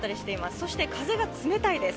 そして風が冷たいです。